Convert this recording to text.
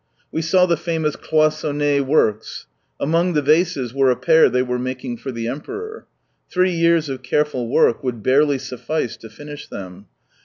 U'e saw the famous Cloissonn^e works. Among the vases were a pair they were making for the Emperor. Three years of careful work would barely suffice to finish them.